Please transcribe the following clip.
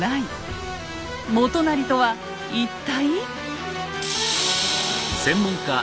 元就とは一体。